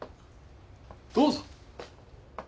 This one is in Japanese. どうぞ！